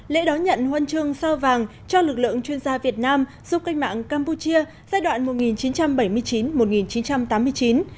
lễ đón nhận huân chương sao vàng cho lực lượng chuyên gia việt nam giúp cách mạng campuchia giai đoạn một nghìn chín trăm bảy mươi chín một nghìn chín trăm tám mươi chín